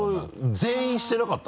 全員してなかった？